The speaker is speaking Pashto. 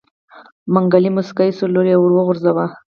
منګلی موسکی شو لور يې وغورځوه.